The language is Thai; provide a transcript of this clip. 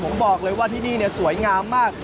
ผมบอกเลยว่าที่นี่สวยงามมาก